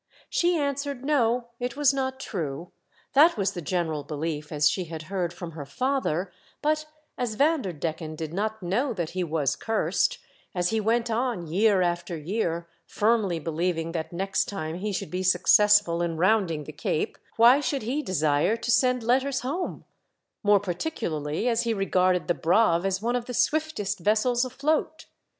She answered no ; it was not true ; that was the general belief, as she had heard from her father ; but, as Vander decken did not know that he was curst — as he went on year after year, firmly believing that next time he should be successful in rounding the Cape — why should he desire to send letters home, more particularly as he regarded the Braave as one of the swiftest vessels afloat